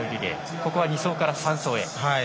ここは２走から３走へ。